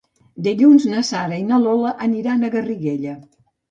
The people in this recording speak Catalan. Dilluns na Sara i na Lola aniran a Garriguella.